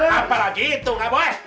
apalagi itu nggak boleh